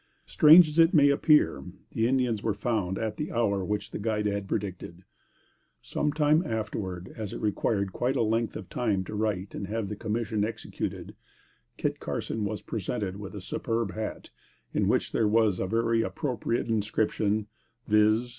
Strange as it may appear, the Indians were found at the hour which the guide had predicted. Sometime afterward, as it required quite a length of time to write and have the commission executed, Kit Carson was presented with a superb hat, in which there was a very appropriate inscription viz.